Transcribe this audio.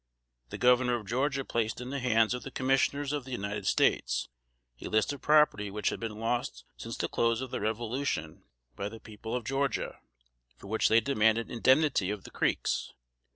The governor of Georgia placed in the hands of the Commissioners of the United States, a list of property which had been lost since the close of the Revolution by the people of Georgia, for which they demanded indemnity of the Creeks.